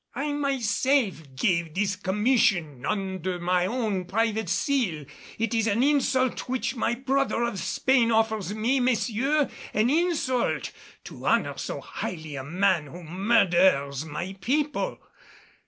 "I myself gave this commission under my own private seal. It is an insult which my brother of Spain offers me, messieurs, an insult to honor so highly a man who murders my people!"